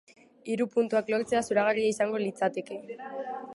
Hiru puntuak lortzea zoragarria izango litzateke.